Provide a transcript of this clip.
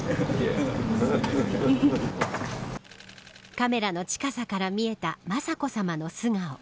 カメラの近さから見えた雅子さまの素顔。